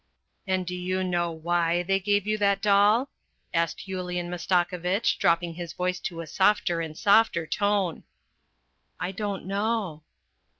" And do you know why they gave you that doll ?" asked Yulian Mastakovitch, dropping his voice to a softer and softer tone. " I don't know."